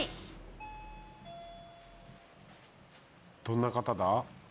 どんな方だ？